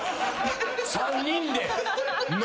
３人で。